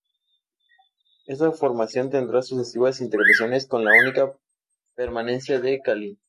Esa formación tendrá sucesivas integraciones, con la única permanencia de Kali.